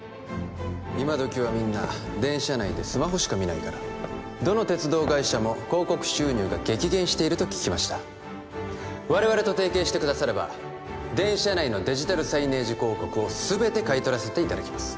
今どきはみんな電車内でスマホしか見ないからどの鉄道会社も広告収入が激減していると聞きました我々と提携してくだされば電車内のデジタルサイネージ広告を全て買い取らせていただきます